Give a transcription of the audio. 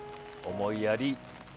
思いやり。